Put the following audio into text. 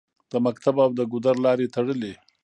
د مکتب او د ګودر لارې تړلې